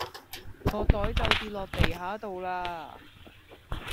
個袋就跌左落地下道啦